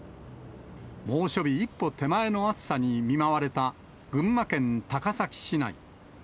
猛暑日一歩手前の暑さに見舞われた群馬県高崎市内。